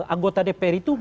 anggota dpr itu